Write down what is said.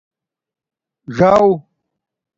ژݹ